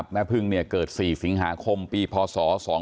แม่พึ่งเกิด๔สิงหาคมปีพศ๒๕๖